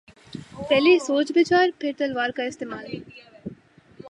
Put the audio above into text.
پہلے سوچ بچار پھر تلوار کااستعمال۔